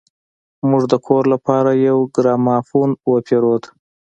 موږ د کور لپاره يو ګرامافون وپېرود.